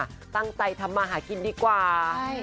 คือช่องใจทำมาหากินดีกว่า